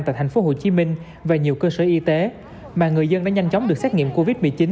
tại thành phố hồ chí minh và nhiều cơ sở y tế mà người dân đã nhanh chóng được xét nghiệm covid một mươi chín